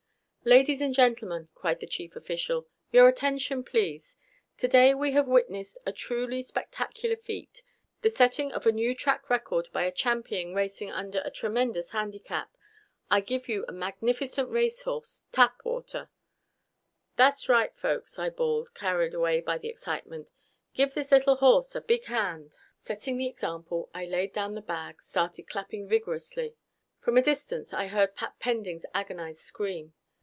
"Ladies and gentlemen!" cried the chief official. "Your attention, please! Today we have witnessed a truly spectacular feat: the setting of a new track record by a champion racing under a tremendous handicap. I give you a magnificent racehorse Tapwater!" "That's right, folks!" I bawled, carried away by the excitement. "Give this little horse a great big hand!" Setting the example, I laid down the bag, started clapping vigorously. From a distance I heard Pat Pending's agonized scream.